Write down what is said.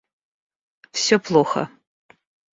Всё плохо